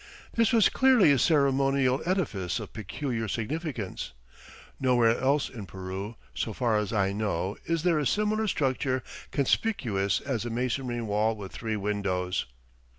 This was clearly a ceremonial edifice of peculiar significance. Nowhere else in Peru, so far as I know, is there a similar structure conspicuous as "a masonry wall with three windows."